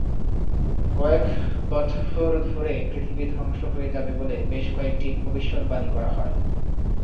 কয়েক বছর ধরে পৃথিবী ধ্বংস হয়ে যাবে বলে বেশ কয়েকটি ভবিষ্যদ্বাণী করা হয়।